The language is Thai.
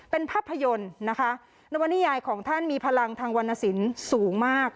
เป็นภาพยนตร์นะคะนวนิยายของท่านมีพลังทางวรรณสินสูงมาก